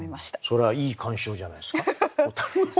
それはいい鑑賞じゃないですか？